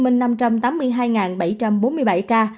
tp hcm năm trăm tám mươi hai bảy trăm bốn mươi bảy ca